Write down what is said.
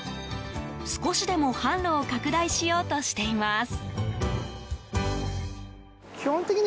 少しでも販路を拡大しようとしています。